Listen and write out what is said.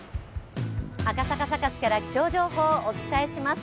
赤坂サカスから気象情報をお伝えします。